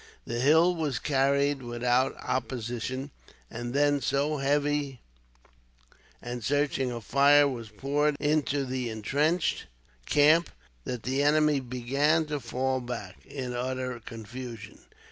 The hill was carried without opposition, and then so heavy and searching a fire was poured into the intrenched camp that the enemy began to fall back, in utter confusion.